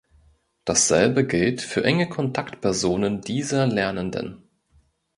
Dasselbe gilt für enge Kontaktpersonen dieser Lernenden.